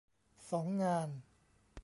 สอง งาน